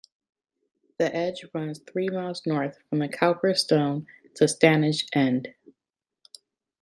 The edge runs three miles north from the Cowper Stone to Stanage End.